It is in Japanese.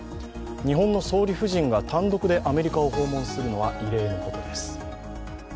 日本の総理夫人が単独でアメリカを訪問するのは異例のことです。